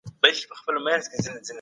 زده کړه د ټولنې د پرمختګ لامل کیږي.